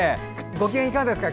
ご機嫌いかがですか？